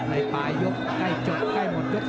ในปลายยกใกล้จบใกล้หมดยก๒